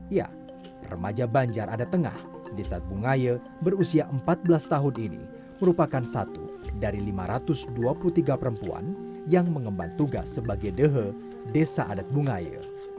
ya remaja banjar ada tengah desa bungaya berusia empat belas tahun ini merupakan satu dari lima ratus dua puluh tiga perempuan yang mengemban tugas sebagai dehe desa adat bungaya